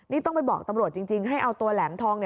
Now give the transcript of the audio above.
นี่ต้องไปบอกตำรวจจริงให้เอาตัวแหลมทอง